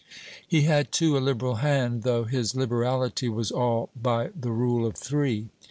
He had, too, a liberal hand, though his liberality was all by the rule of three.